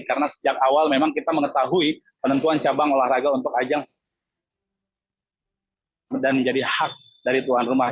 karena sejak awal memang kita mengetahui penentuan cabang olahraga untuk ajang dan menjadi hak dari tuan rumah